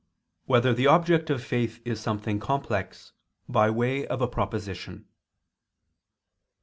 2] Whether the Object of Faith Is Something Complex, by Way of a Proposition?